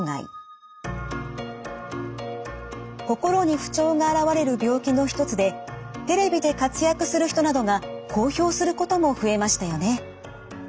心に不調が現れる病気の一つでテレビで活躍する人などが公表することも増えましたよね。